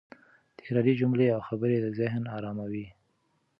تکراري جملې او خبرې د ذهن اراموي.